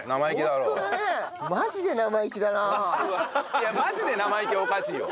いや「マジで生意気」はおかしいよ。